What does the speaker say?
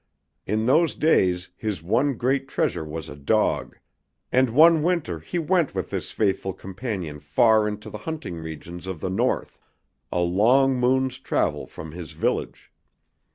In those days his one great treasure was a dog, and one winter he went with this faithful companion far into the hunting regions of the North, a long moon's travel from his village.